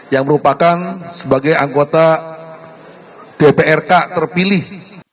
yang merupakan sebagai anggota dprk terpilih